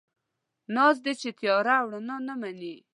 ناز دی، چې تياره او رڼا نه مني